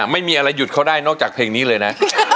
ไม่มีอะไรหยุดเขาได้นอกจากเพลงนี้เลยนะ